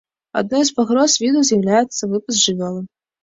Адной з пагроз віду з'яўляецца выпас жывёлы.